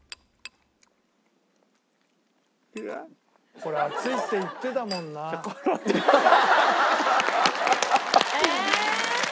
「これ熱いって言ってたもんな」え！